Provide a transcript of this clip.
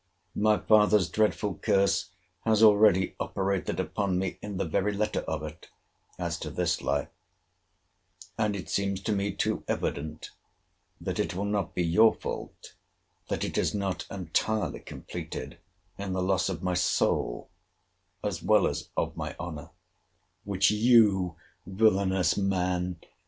My father's dreadful curse has already operated upon me in the very letter of it, as to this life; and it seems to me too evident that it will not be your fault that it is not entirely completed in the loss of my soul, as well as of my honour—which you, villanous man!